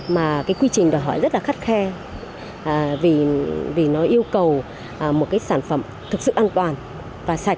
mà cái quy trình đòi hỏi rất là khắt khe vì nó yêu cầu một cái sản phẩm thực sự an toàn và sạch